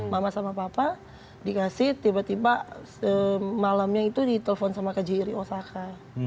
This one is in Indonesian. mama sama papa dikasih tiba tiba malamnya itu ditelepon sama kjri osaka